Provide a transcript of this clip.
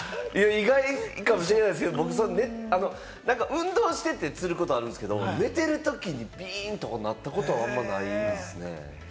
意外かもしれないですけれども、僕、運動しててつることはあるんですけれども、寝てるときに、ビンとかなったことあんまりないですね。